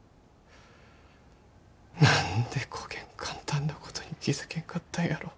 なんでこげん簡単なことに気付けんかったんやろう。